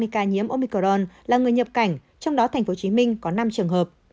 tình hình biến thể omicron là người nhập cảnh trong đó tp hcm có năm trường hợp